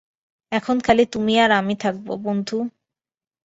এখন খালি তুমি আর আমি থাকব, বন্ধু।